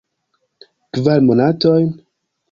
Kvar monatojn?